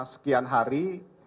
selama sekian hari